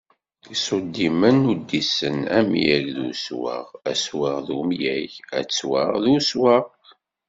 Isuddimen uddisen:amyaɣ d uswaɣ aswaɣ d umyaɣ, attwaɣ d uswaɣ.